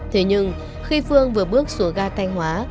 thế nhưng khi phương vừa bước xuống ga thanh hóa